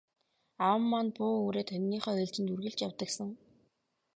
Аав маань буу үүрээд хониныхоо ээлжид үргэлж явдаг сан.